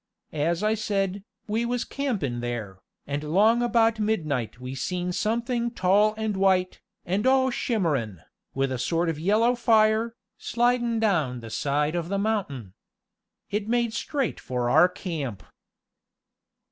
"As I said, we was campin' there, and 'long about midnight we seen somethin' tall and white, and all shimmerin', with a sort of yellow fire, slidin' down the side of the mountain. It made straight for our camp."